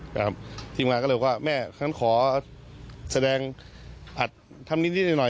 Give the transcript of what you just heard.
ครับทีมงานก็เรียกว่าแม่ขอแสดงอัดทำนิดนิดหน่อยหน่อย